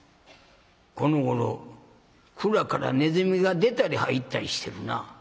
このごろ蔵からねずみが出たり入ったりしてるな。